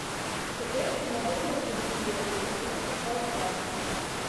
Цяпер камары разбудзілі яго, і ён пачаў плакаць.